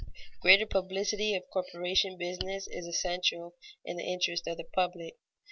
_Greater publicity of corporation business is essential in the interest of the public.